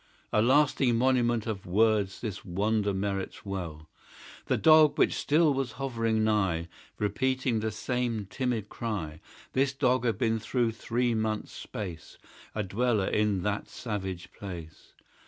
A lasting monument of words This wonder merits well. The Dog, which still was hovering nigh, Repeating the same timid cry, This Dog had been through three months space A dweller in that savage place.